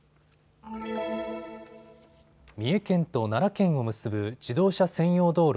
三重県と奈良県を結ぶ自動車専用道路